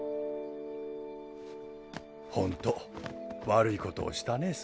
本当悪いことをしたね